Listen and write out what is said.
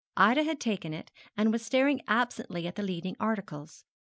Ida had taken it, and was staring absently at the leading articles.